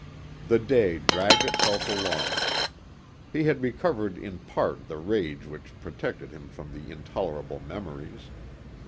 The day dragged itself along. He had recovered in part the rage which protected him from the intolerable memories.